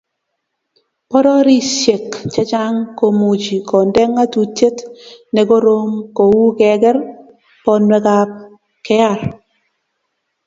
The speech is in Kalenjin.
Pororiosiek chechang komuchi konde ngatutiet ne korom kou keker bonwekab kr